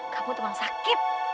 kamu teman sakit